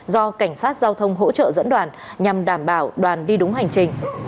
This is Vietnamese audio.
do cảnh sát giao thông hỗ trợ dẫn đoàn nhằm đảm bảo đoàn đi đúng hành trình